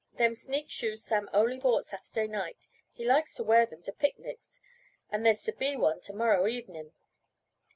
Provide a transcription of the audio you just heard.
Them sneak shoes Sam only bought Saturday night. He likes to wear them to picnics, and there's to be one to morrow evenin'."